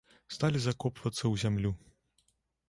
Сталі закопвацца ў зямлю.